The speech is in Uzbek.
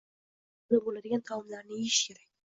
Yengil hazm boʻladigan taomlarni yeyish kerak.